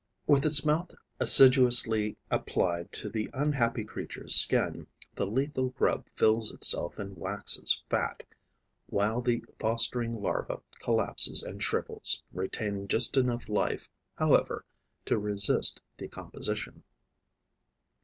With its mouth assiduously applied to the unhappy creature's skin, the lethal grub fills itself and waxes fat, while the fostering larva collapses and shrivels, retaining just enough life, however, to resist decomposition.